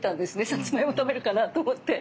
さつまいも食べるかなと思って。